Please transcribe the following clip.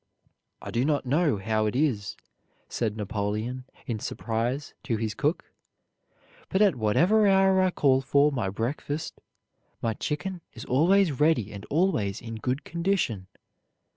"I do not know how it is," said Napoleon in surprise to his cook, "but at whatever hour I call for my breakfast my chicken is always ready and always in good condition."